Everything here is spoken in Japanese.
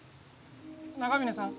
長峰さん？